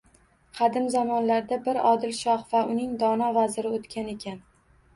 Qadim zamonlarda bir odil shoh va uning dono vaziri o‘tgan ekan.